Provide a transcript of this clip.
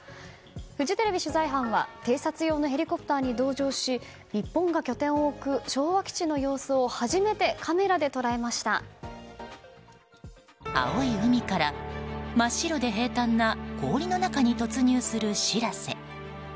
フジテレビ取材班は偵察用のヘリコプターに同乗し日本が拠点を置く昭和基地の様子を青い海から、真っ白で平坦な氷の中に突入する「しらせ」。